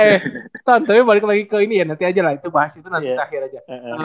eh tapi balik lagi ke ini ya nanti aja lah itu bahas itu nanti terakhir aja